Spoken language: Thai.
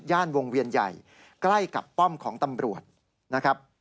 วงเวียนใหญ่ใกล้กับป้อมของตำรวจนะครับ